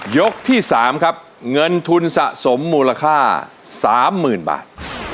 ยกที่๓ครับเงินทุนสะสมมูลค่า๓๐๐๐บาท